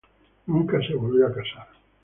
Nunca se volvió a casar.